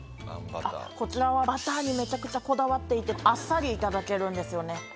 こちらはバターにめちゃくちゃこだわっていてあっさりいただけるんですよね。